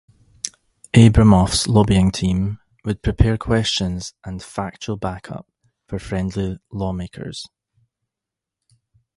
Abramoff's lobbying team would prepare questions and "factual backup" for friendly lawmakers.